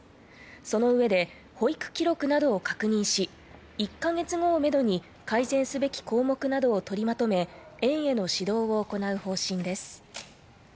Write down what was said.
その上で、保育記録などを確認し、１か月後をめどに改善すべき項目などを取りまとめ、園への指導を行う方針です。